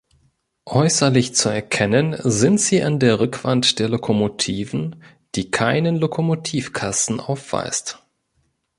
Äußerlich zu erkennen sind sie an der Rückwand der Lokomotiven, die keinen Lokomotivkasten aufweist.